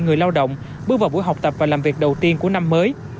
người lao động bước vào buổi học tập và làm việc đầu tiên của năm mới